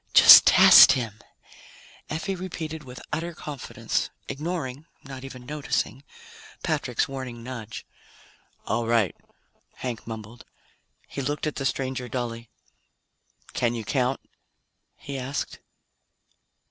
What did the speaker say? "Just test him," Effie repeated with utter confidence, ignoring not even noticing Patrick's warning nudge. "All right," Hank mumbled. He looked at the stranger dully. "Can you count?" he asked.